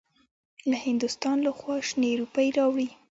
له هندوستان لخوا شنې روپۍ راوړې.